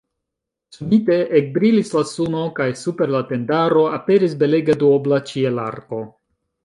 Subite ekbrilis la suno kaj super la tendaro aperis belega duobla ĉielarko.